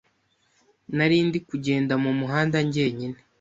Narindi kugenda mu muhanda ngenyine,